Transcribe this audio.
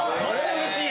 うれしい！